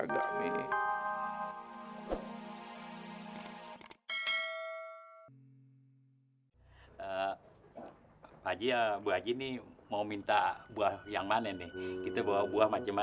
sampai jumpa di video selanjutnya